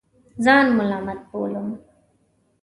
ځان ملامت بولم.